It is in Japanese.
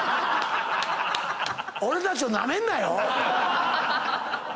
俺たちをナメんなよ！